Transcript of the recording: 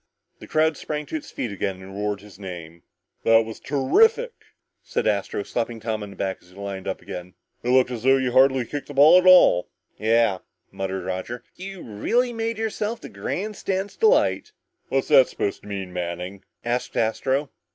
The crowd sprang to its feet again and roared his name. "That was terrific!" said Astro, slapping Tom on the back as they lined up again. "It looked as though you hardly kicked that ball at all." "Yeah," muttered Roger, "you really made yourself the grandstand's delight!" "What's that supposed to mean, Manning?" asked Astro.